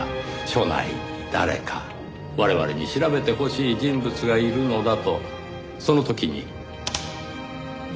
署内に誰か我々に調べてほしい人物がいるのだとその時に。